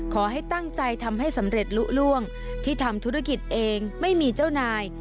ขอให้ตั้งใจทำให้สำเร็จลุล่วงที่ทำธุรกิจเองไม่มีเจ้านาย